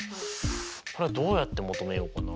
これはどうやって求めようかな。